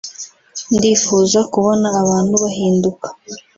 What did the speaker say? ndifuza kubona abantu bahinduka